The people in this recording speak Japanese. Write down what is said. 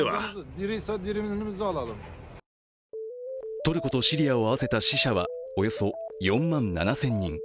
トルコとシリアを合わせた死者は、およそ４万７０００人。